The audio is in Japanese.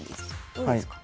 どうですか？